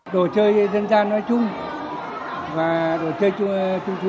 mình thấy đây là một hoạt động khá là ý nghĩa